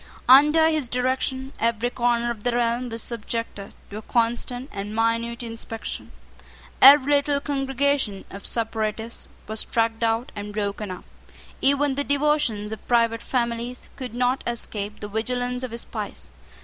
Under his direction every corner of the realm was subjected to a constant and minute inspection. Every little congregation of separatists was tracked out and broken up. Even the devotions of private families could not escape the vigilance of his spies.